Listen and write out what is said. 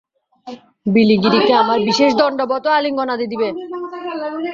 বিলিগিরিকে আমার বিশেষ দণ্ডবৎ ও আলিঙ্গনাদি দিবে।